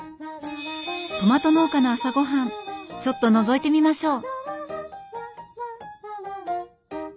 トマト農家の朝ごはんちょっとのぞいてみましょう。